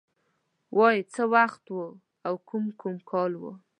وای څه وخت و او کوم کوم کال و